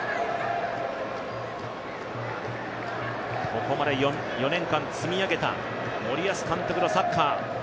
ここまで４年間積み上げた森保監督のサッカー。